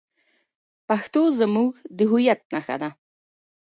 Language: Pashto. پښتو زموږ د هویت نښه ده.